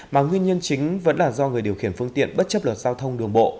mà nguyên nhân chính vẫn là do người điều khiển phương tiện bất chấp luật giao thông đường bộ